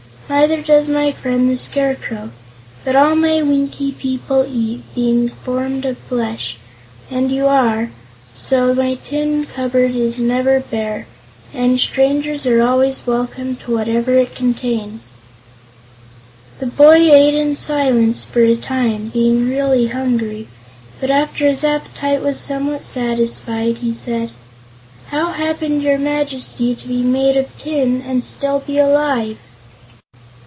Neither does my friend the Scarecrow. But all my Winkie people eat, being formed of flesh, as you are, and so my tin cupboard is never bare, and strangers are always welcome to whatever it contains." The boy ate in silence for a time, being really hungry, but after his appetite was somewhat satisfied, he said: "How happened your Majesty to be made of tin, and still be alive?"